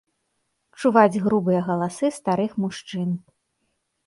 Чуваць грубыя галасы старых мужчын.